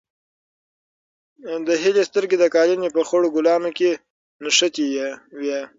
د هیلې سترګې د قالینې په خړو ګلانو کې نښتې وې.